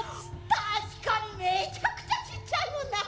確かにめちゃくちゃちっちゃいもんなあ。